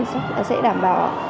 sẽ đảm bảo